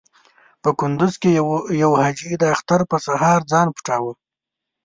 په کندز کې يو حاجي د اختر پر مهال ځان پټاوه.